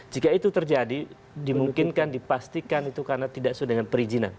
jika itu terjadi dimungkinkan dipastikan itu karena tidak sudah dengan perizinan